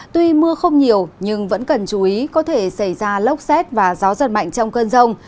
tuy mưa không nhiều nhưng vẫn cần chú ý có thể xảy ra lốc xét và gió giật mạnh trong cơn rông